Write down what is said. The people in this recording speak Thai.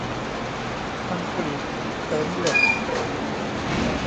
คอนกรีตเสริมเหล็ก